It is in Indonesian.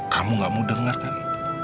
kamu tidak mau dengarkan